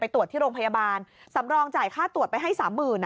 ตรวจที่โรงพยาบาลสำรองจ่ายค่าตรวจไปให้สามหมื่น